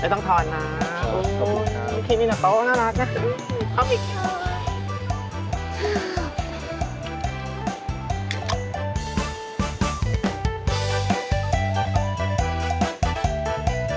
ไม่ต้องถอนนะครับขอบคุณครับโอ้โฮที่นี่หน้าโต๊ะน่ารักนะขอบคุณค่ะ